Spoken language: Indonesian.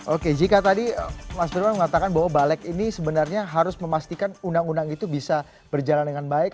oke jika tadi mas nurwan mengatakan bahwa balik ini sebenarnya harus memastikan undang undang itu bisa berjalan dengan baik